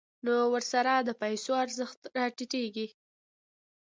نو ورسره د پیسو ارزښت ډېر راټیټېږي